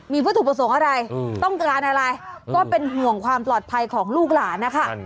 มีวัตถุประสงค์อะไรต้องการอะไรก็เป็นห่วงความปลอดภัยของลูกหลานนะคะ